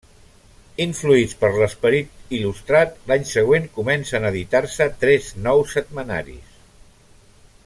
Influïts per l'esperit il·lustrat, l'any següent comencen a editar-se tres nous setmanaris.